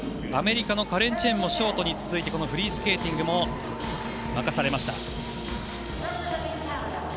アメリカのカレン・チェンもショートに続いてこのフリースケーティングも任されました。